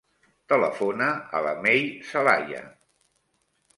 Telefona a la Mei Zelaya.